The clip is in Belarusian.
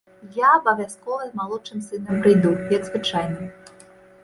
Я абавязкова з малодшым сынам прыйду, як звычайна.